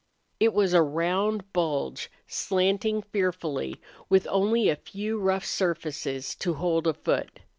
It was a round bulge, slanting fearfully, with only a few rough surfaces to hold a foot.